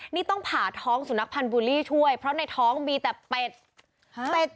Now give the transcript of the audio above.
นี่ต้องผ่าท้องสูนักพันธุ์บุรีช่วยเพราะในท้องมีแต่ป็ด